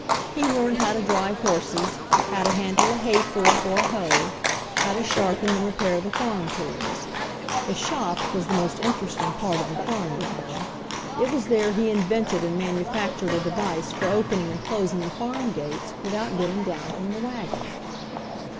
He learned how to drive horses, how to handle a hay fork or a hoe, how to sharpen and repair the farm tools. The "shop" was the most interesting part of the farm to him ; it was there he invented and manu factured a device for opening and closing the farm gates without getting down from the wagon.